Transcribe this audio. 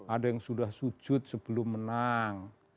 ada yang sudah sujud sebelum menang